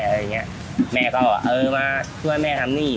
แม่เขาก็เออมาช่วยแม่ทำหนี้